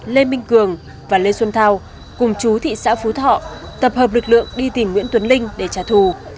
lê minh cường và lê xuân thao cùng chú thị xã phú thọ tập hợp lực lượng đi tìm nguyễn tuấn linh để trả thù